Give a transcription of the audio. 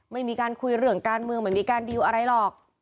ไม่มีการคุยเรื่องการเมืองไม่มีการดีลอะไรหรอก